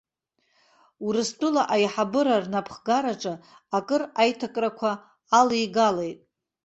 Урыстәыла аиҳабыра рнапхгараҿы акыр аиҭакрақәа алеигалеит.